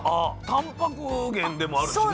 たんぱく源でもあるしね。